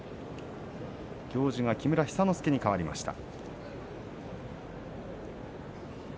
行司が木村寿之介にかわりました。